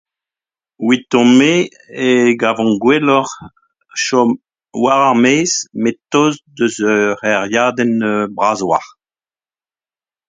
Evidon-me e gavan gwelloc'h chom war ar maez met tost eus ur gêriadenn bras a-walc'h.